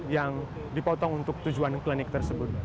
yang dipotong untuk tujuan klinik tersebut